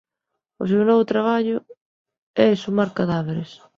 O seu novo traballo es exhumar cadáveres.